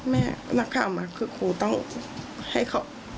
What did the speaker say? แม่นักข่าวมาคือครูต้องให้เขา